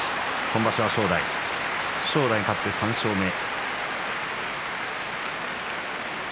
今場所は正代正代勝って３勝目。